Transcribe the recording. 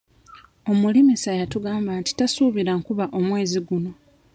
Omulimisa yatugamba nti tasuubira nkuba omwezi guno.